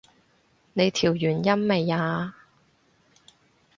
你調完音未啊？